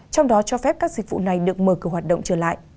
trong đó cho phép các dịch vụ này được mở cửa hoạt động trở lại